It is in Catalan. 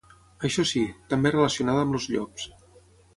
Això sí: també relacionada amb els llops.